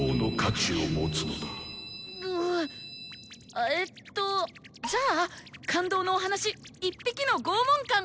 あえっとじゃあ感動のお話「１匹のごうもんかん」！